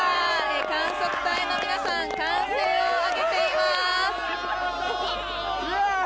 観測隊の皆さん歓声を上げています。